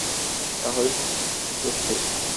তাহলে তো তুমি যেতে প্রস্তুত।